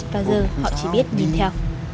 và giờ họ chỉ biết nhìn theo